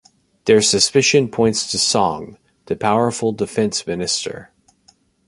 Their suspicion points to Song, the powerful defense minister.